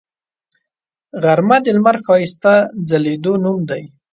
غرمه د لمر ښایسته ځلیدو نوم دی